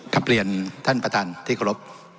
ขับเปลี่ยนท่านประทานที่เคารพ